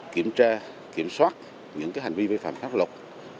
kiểm tra kiểm soát những hành vi vi phạm pháp luật